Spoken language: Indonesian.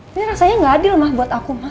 ini rasanya gak adil mah buat aku mah